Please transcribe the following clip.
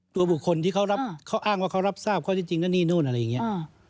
ตัวบุคคลที่เขารับเขาอ้างว่าเขารับทราบข้อที่จริงนั่นนี่นู่นอะไรอย่างนี้